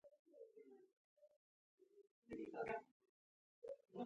پړانګ د ښکار کولو لپاره قوي پښې لري.